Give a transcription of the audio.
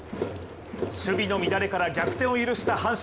守備の乱れから逆転を許した阪神。